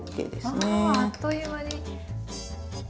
わぁあっという間に。